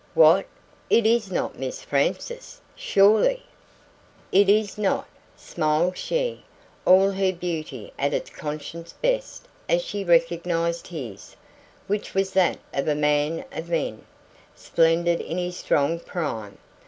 "What! It is not Miss Frances, surely?" "It is not," smiled she, all her beauty at its conscious best as she recognised his, which was that of a man of men, splendid in his strong prime.